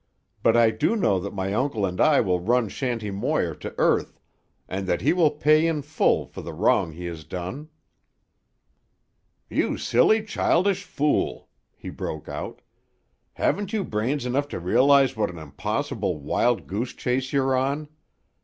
"But I do know that my uncle and I will run Shanty Moir to earth, and that he will pay in full for the wrong he has done." "You silly, childish fool!" he broke out. "Haven't you brains enough to realise what an impossible wild goose chase you're on?